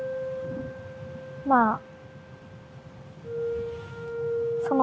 まあ。